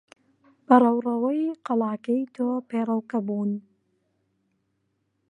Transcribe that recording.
بە ڕەوڕەوەی قەڵاکەی تۆ پێڕەوکە بوون.